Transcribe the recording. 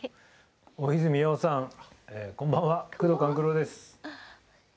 大泉洋さんこんばんは宮藤官九郎です。